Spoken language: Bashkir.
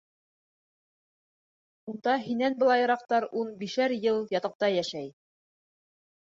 Унда һинән былайыраҡтар ун бишәр йыл ятаҡта йәшәй!